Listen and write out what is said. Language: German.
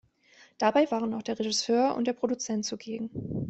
Dabei waren auch der Regisseur und der Produzent zugegen.